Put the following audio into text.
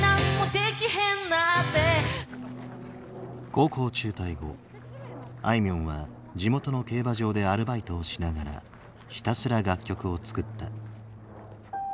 高校中退後あいみょんは地元の競馬場でアルバイトをしながらひたすら楽曲を作った。